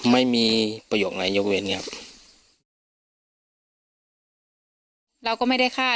ไม่มีประโยคนว่าอะไรยกวิทย์ครับ